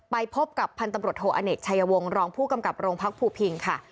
ไปพบกับพันธมรถโธอเอนกชายวงรองผู้กำกับโรงพักภูมิพิงค่ะ